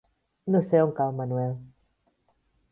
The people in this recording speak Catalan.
No sé on cau Manuel.